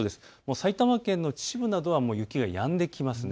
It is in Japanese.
埼玉県の秩父などは雪がもうやんできます。